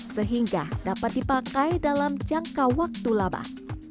sehingga dapat dipakai dalam jangka waktu labah